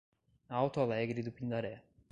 Alto Alegre do Pindaré